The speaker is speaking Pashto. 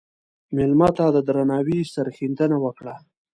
مېلمه ته د درناوي سرښندنه وکړه.